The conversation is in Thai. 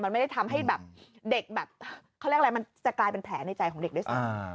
มันไม่ได้ทำให้แบบเด็กแบบเขาเรียกอะไรมันจะกลายเป็นแผลในใจของเด็กด้วยซ้ำ